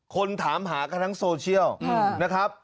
คนถามหากันทั้งโซเชียลนะครับ